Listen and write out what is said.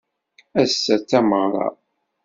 Ass-a d tameɣra.